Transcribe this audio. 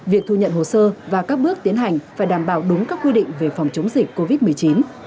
việc thu nhận hồ sơ và các bước tiến hành phải đảm bảo đúng các quy định về phòng chống dịch covid một mươi chín